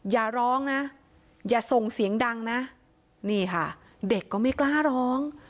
อย่าร้องนะอย่าส่งเสียงดังนะนี่ค่ะเด็กก็ไม่กล้าร้อง